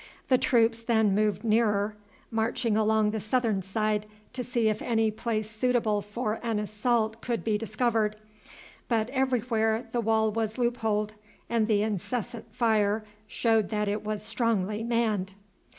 The troops then moved nearer, marching along the southern side to see if any place suitable for an assault could be discovered; but everywhere the wall was loopholed, and the incessant fire showed that it was strongly manned.